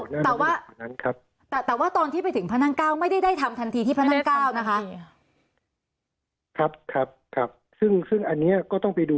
แต่ว่าตอนที่ไปถึงพนัก๙ไม่ได้ทำทันทีที่พนัก๙นะครับ